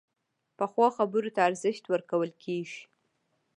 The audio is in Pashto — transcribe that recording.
پخو خبرو ته ارزښت ورکول کېږي